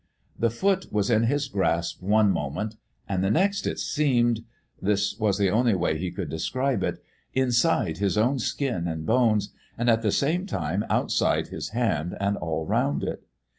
The foot was in his grasp one moment, and the next it seemed this was the only way he could describe it inside his own skin and bones, and at the same time outside his hand and all round it.